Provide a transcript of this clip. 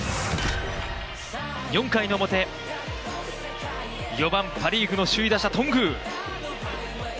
４回の表、４番、パ・リーグの首位打者、頓宮。